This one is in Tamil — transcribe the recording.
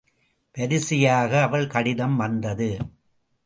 வரிசையாக அவள் கடிதம் வந்தது.